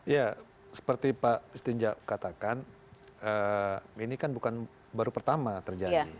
ya seperti pak stinjau katakan ini kan bukan baru pertama terjadi